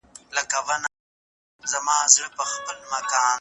سمه میتودولوژي د بریالۍ څېړني ضامن ده.